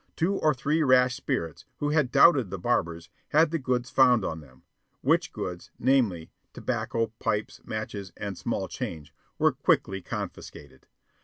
Two or three rash spirits, who had doubted the barbers, had the goods found on them which goods, namely, tobacco, pipes, matches, and small change, were quickly confiscated.